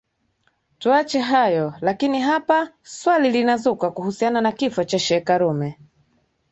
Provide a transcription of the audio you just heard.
Tuache hayo lakini hapa swali linazuka kuhusiana na kifo cha Sheikh Karume